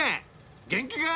元気が？